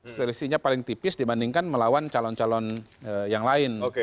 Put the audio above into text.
selisihnya paling tipis dibandingkan melawan calon calon yang lain